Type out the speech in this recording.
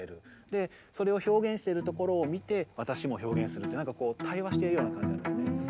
でそれを表現してるところを見て私も表現するってなんかこう対話してるような感じなんですね。